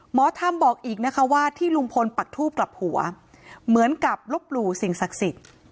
หมอธรรมบอกอีกนะคะว่าที่ลุงพลปักทูบกลับหัวเหมือนกับลบหลู่สิ่งศักดิ์สิทธิ์